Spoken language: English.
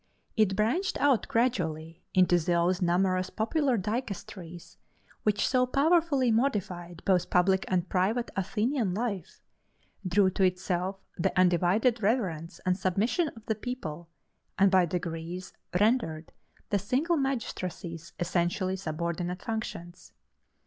It branched out gradually into those numerous popular dicasteries which so powerfully modified both public and private Athenian life, drew to itself the undivided reverence and submission of the people, and by degrees rendered the single magistracies essentially subordinate functions.